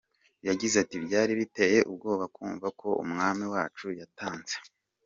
Yagize ati, “Byari biteye ubwoba kumva ko umwami wacu yatanze.